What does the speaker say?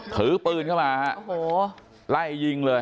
ถือปืนเข้ามาไล่ยิงเลย